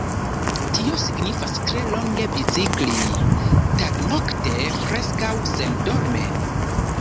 Tio signifas tre longe bicikli, tagnokte, preskaŭ sendorme.